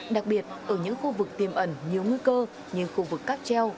đặc biệt ở những khu vực tiêm ẩn nhiều nguy cơ như khu vực các treo